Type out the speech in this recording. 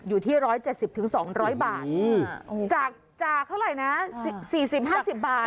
อยู่ที่ร้อยเจ็ดสิบถึงสองร้อยบาทจากจากเท่าไหร่น่ะสี่สิบห้าสิบบาท